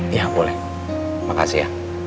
iya boleh makasih ya